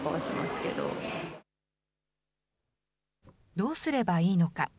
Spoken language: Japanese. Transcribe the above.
どうすればいいのか。